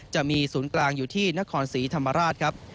จะมีศูนย์กลางอยู่ที่นครศรีธรรมราชครับ